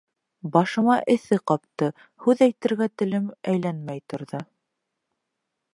Башыма эҫе ҡапты, һүҙ әйтергә телем әйләнмәй торҙо.